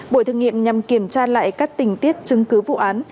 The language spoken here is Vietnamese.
buổi thử nghiệm nhằm kiểm tra lại các tình tiết chứng cứ vụ án